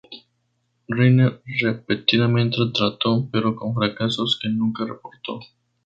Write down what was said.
Rhine repetidamente trató, pero con fracasos que nunca reportó.